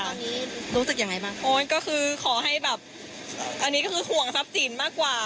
ตอนนี้รู้สึกยังไงบ้างโอ๊ยก็คือขอให้แบบอันนี้ก็คือห่วงทรัพย์สินมากกว่า